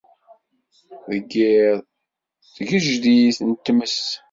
Deg yiḍ s tgejdit n tmes.